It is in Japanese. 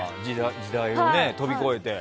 時代を飛び越えて。